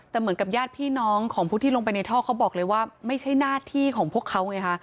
แต่เหมือนกับญาติพี่น้องของผู้ที่ลงไปในท่อเขาบอกเลยว่าไม่ใช่หน้าที่ของพวกเขาไงคะ